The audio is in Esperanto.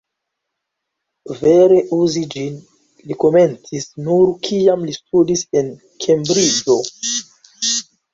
Vere uzi ĝin li komencis nur, kiam li studis en Kembriĝo.